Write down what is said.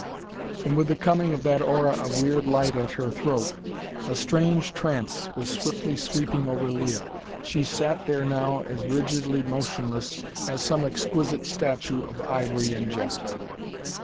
And with the coming of that aura of weird light at her throat, a strange trance was swiftly sweeping over Leah. She sat there now as rigidly motionless as some exquisite statue of ivory and jet.